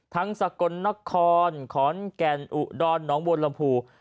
ทั้งสากลณครขอนแกนอุดอนหนองวลพู